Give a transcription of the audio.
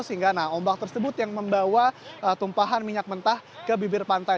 sehingga ombak tersebut yang membawa tumpahan minyak mentah ke bibir pantai